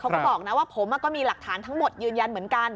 เขาก็บอกนะว่าผมก็มีหลักฐานทั้งหมดยืนยันเหมือนกัน